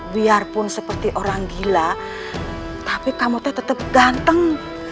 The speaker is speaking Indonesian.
biarpun seperti orang gila tapi kamu tetap ganteng